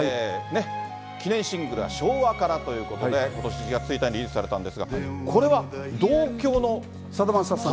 記念シングルは昭和からということで、ことし、リリースされたんですが、これは同郷のさだまさしさん。